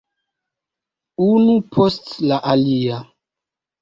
Unu post la alia.